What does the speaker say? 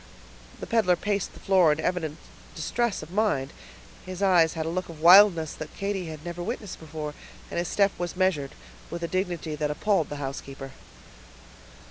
The peddler paced the floor in evident distress of mind; his eyes had a look of wildness that Katy had never witnessed before, and his step was measured, with a dignity that appalled the housekeeper.